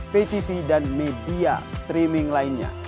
ptv dan media streaming lainnya